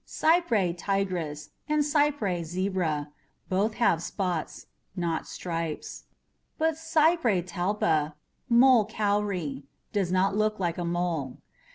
CYPRAEA TIGRIS and CYPRAEA ZEBRA both have spots, not stripes. But CYPRAEA TALPA ("mole cowrie") does look a lot like a mole.